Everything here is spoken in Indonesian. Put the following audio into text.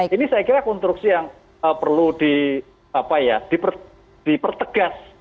ini saya kira konstruksi yang perlu dipertegas